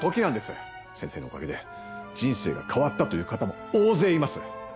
先生のおかげで人生が変わったという方も大勢います。